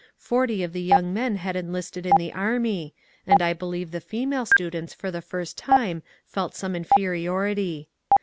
Forty of the young men had enlisted in the army, and I believe the female students for the first time felt some inferiority.